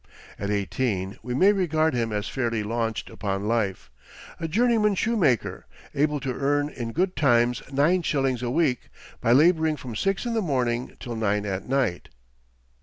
At eighteen we may regard him as fairly launched upon life, a journeyman shoemaker, able to earn in good times nine shillings a week by laboring from six in the morning till nine at night.